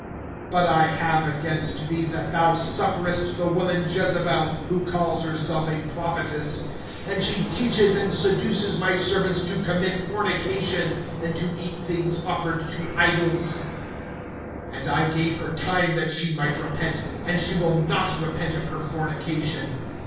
(20)But I have against thee, that thou sufferest the woman Jezebel[2:20], who calls herself a prophetess; and she teaches and seduces my servants to commit fornication, and to eat things offered to idols. (21)And I gave her time that she might repent; and she will not repent of her fornication.